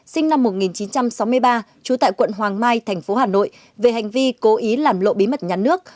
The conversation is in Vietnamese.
sinh năm một nghìn chín trăm sáu mươi ba trú tại quận hoàng mai tp hà nội về hành vi cố ý làm lộ bí mật nhà nước